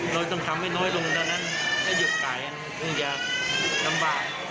เราต้องทำให้น้อยลงเพราะฉะนั้นถ้าหยุดขายก็คงจะกำบาย